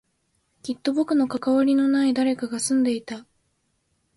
きっと僕と関わりのない誰かが住んでいた